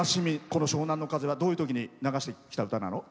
この湘南乃風は、どういうとき流してた歌なの？